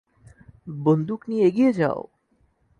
বন্দুক নিয়ে এগিয়ে যাও!